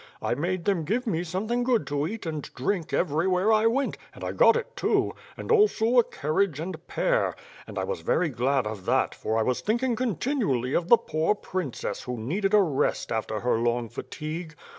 I made them give me something good to eat and drink, every where I went, and I got it, too, and also a carriage and pair. And I was very glad of that, for I was thinking continually of the poor princess who needed a rest after her long fatigue.